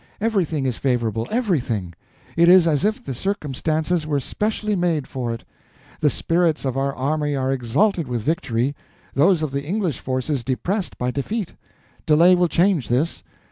Everything is favorable—everything. It is as if the circumstances were specially made for it. The spirits of our army are exalted with victory, those of the English forces depressed by defeat. Delay will change this.